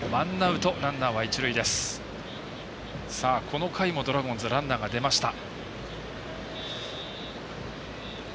この回もドラゴンズランナーが出ました。